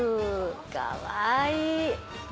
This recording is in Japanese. かわいい！